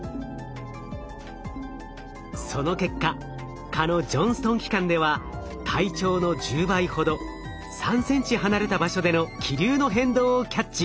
その結果蚊のジョンストン器官では体長の１０倍ほど３ｃｍ離れた場所での気流の変動をキャッチ。